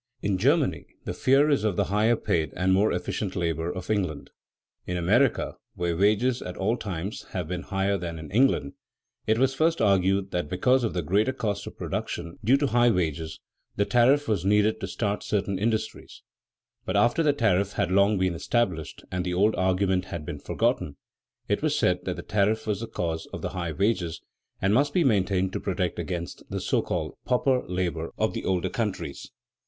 In Germany the fear is of the higher paid and more efficient labor of England. In America, where wages at all times have been higher than in England, it was first argued that because of the greater cost of production, due to high wages, the tariff was needed to start certain industries; but after the tariff had long been established and the old argument had been forgotten, it was said that the tariff was the cause of the high wages and must be maintained to protect against the (so called) "pauper" labor of the older countries.